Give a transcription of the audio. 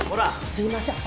すいません。